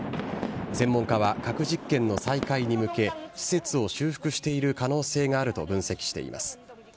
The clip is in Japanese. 専門家は、核実験の再開に向け、施設を修復している可能性があると分析しています。